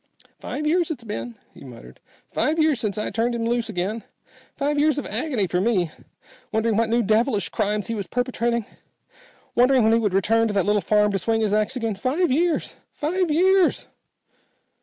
"Five years it's been," he muttered. "Five years since I turned him loose again. Five years of agony for me, wondering what new devilish crimes he was perpetrating, wondering when he would return to that little farm to swing his ax again. Five years five years."